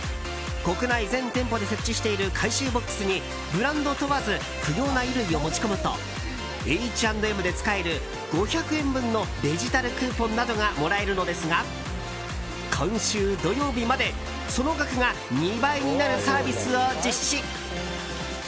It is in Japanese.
国内全店舗で設置している回収ボックスにブランド問わず不要な衣類を持ち込むとＨ＆Ｍで使える５００円分のデジタルクーポンなどがもらえるのですが今週土曜日まで、その額が２倍になるサービスを実施。